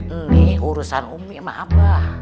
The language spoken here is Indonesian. ini urusan umi sama abah